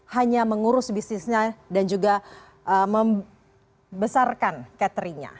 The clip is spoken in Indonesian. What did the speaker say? hanya mengurus bisnisnya dan juga membesarkan cateringnya